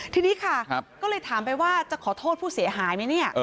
ทีนี้ค่ะก็เลยถามไปว่าจะขอโทษผู้เสียหายไหมเนี่ย